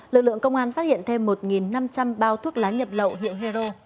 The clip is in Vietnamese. lực lượng công an phát hiện thêm một năm trăm linh bao thuốc lá nhập lậu hiệu hero